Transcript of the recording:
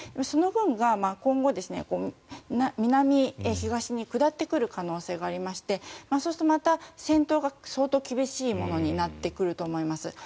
その軍が今後南、東へ下る可能性がありましてそうすると戦闘が相当厳しいものになってくると思います。